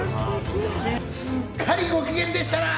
すっかりご機嫌でしたな。